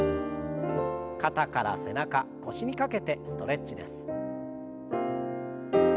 肩から背中腰にかけてストレッチです。